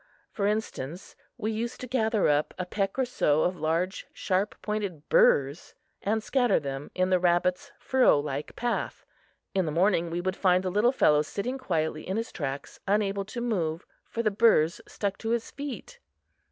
For instance, we used to gather up a peck or so of large, sharp pointed burrs and scatter them in the rabbit's furrow like path. In the morning, we would find the little fellow sitting quietly in his tracks, unable to move, for the burrs stuck to his feet.